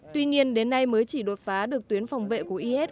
tuy nhiên đến nay mới chỉ đột phá được tuyến phòng vệ của is